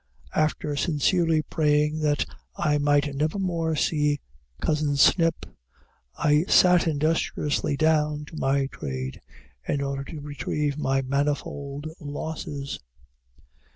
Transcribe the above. After sincerely praying that I might never more see cousin Snip, I sat industriously down to my trade, in order to retrieve my manifold losses.